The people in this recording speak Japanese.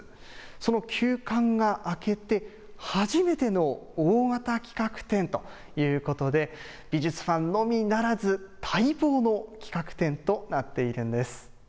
その休館が明けて、初めての大型企画展ということで、美術ファンのみならず、待望の企画展となっているんです。